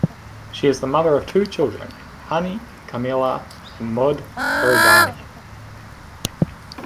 She is the mother of two children, Hani Karmila and Mohd Eridani.